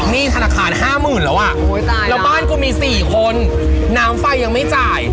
หนี้ธนาคาร๕๐๐๐แล้วอ่ะแล้วบ้านกูมี๔คนน้ำไฟยังไม่จ่าย